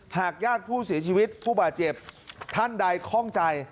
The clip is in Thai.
หากญาติผู้เสียชีวิตผู้บาดเจ็บท่านใดคล่องใจ